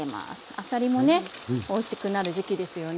あさりもねおいしくなる時期ですよね。